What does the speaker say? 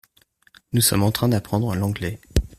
Nous sommes en train d’apprendre l’anglais.